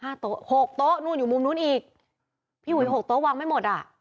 โต๊ะหกโต๊ะนู่นอยู่มุมนู้นอีกพี่อุ๋ยหกโต๊ะวางไม่หมดอ่ะ